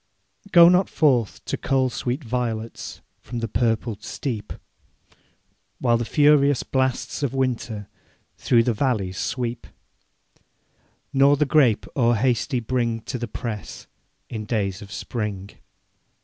Go not forth to cull sweet violets From the purpled steep, While the furious blasts of winter Through the valleys sweep; Nor the grape o'erhasty bring To the press in days of spring.